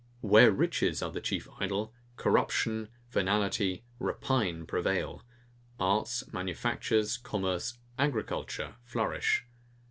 Where riches are the chief idol, corruption, venality, rapine prevail: arts, manufactures, commerce, agriculture flourish.